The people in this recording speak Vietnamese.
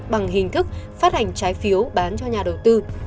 bằng hình thức phát hành trái phiếu bán cho nhà đầu tư